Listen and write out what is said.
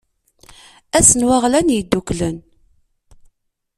Ass n waɣlan yedduklen.